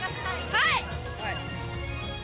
はい！